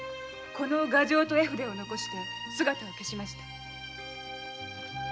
この画帖と絵筆を残して姿を消しました。